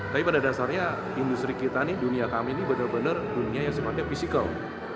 tapi pada dasarnya industri kita dunia kami ini benar benar dunia yang semuanya fisikal